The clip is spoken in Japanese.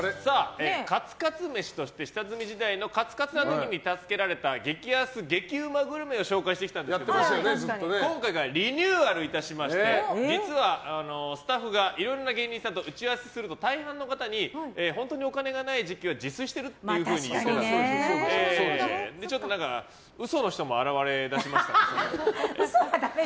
カツカツ飯として下積み時代のカツカツの時に助けられた激安激うまグルメを紹介してきたんですけど今回からリニューアルいたしまして実はスタッフがいろんな芸人さんと打ち合わせすると大半の方に本当にお金がない時期は自炊してるというふうに言ってたので嘘の人も現れ出したので。